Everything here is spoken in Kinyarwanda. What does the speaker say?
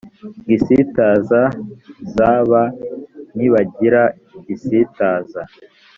igisitaza zb ntibagira igisitaza